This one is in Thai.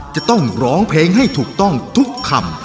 จะต้องร้องเพลงให้ถูกต้องทุกคำ